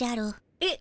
えっ？